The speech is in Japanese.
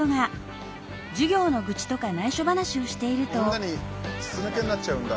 みんなに筒抜けになっちゃうんだ。